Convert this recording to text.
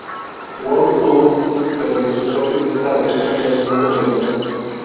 World Tour pero los usuarios de esta red social no lo podían ver.